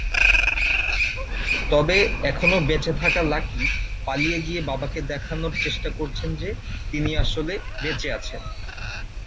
তবে এখনও বেঁচে থাকা লাকি পালিয়ে গিয়ে বাবাকে দেখানোর চেষ্টা করছেন যে তিনি আসলে বেঁচে আছেন।